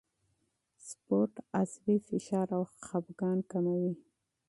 سپورت عصبي فشار او خپګان کموي.